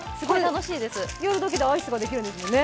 こうやるだけでアイスができるんですもんね。